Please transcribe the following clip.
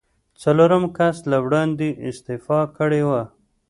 څلورم کس له وړاندې استعفا کړې وه.